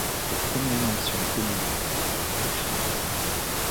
Les premières mentions connues de Malayu sont chinoises.